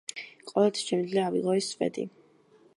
ყოველთვის შემიძლია ავიღო ეს სვეტი.